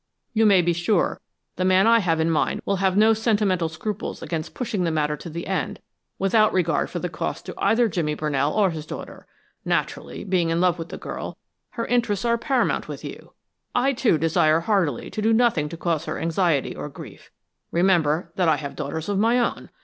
You may be sure the man I have in mind will have no sentimental scruples against pushing the matter to the end, without regard for the cost to either Jimmy Brunell or his daughter. Naturally, being in love with the girl, her interests are paramount with you. I, too, desire heartily to do nothing to cause her anxiety or grief. Remember that I have daughters of my own.